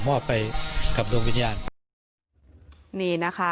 เพลงที่สุดท้ายเสียเต้ยมาเสียชีวิตค่ะ